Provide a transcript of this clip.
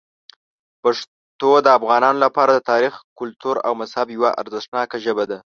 پښتو د افغانانو لپاره د تاریخ، کلتور او مذهب یوه ارزښتناک ژبه ده.